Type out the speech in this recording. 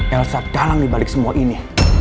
elsa dalang dibalik semua ini